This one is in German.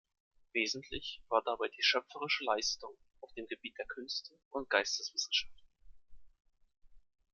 Wesentlich war dabei die schöpferische Leistung auf dem Gebiet der Künste und Geisteswissenschaften.